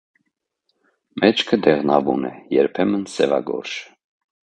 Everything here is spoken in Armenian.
Մեջքը դեղնավուն է, երբեմն՝ սևագորշ։